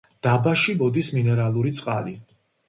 დაბაში მოდის მინერალური წყალი.